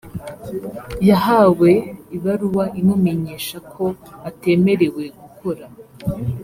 yahawe ibaruwa imumenyesha ko atemerewe gukora